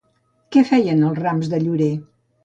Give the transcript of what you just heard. Què feien els rams de llorer?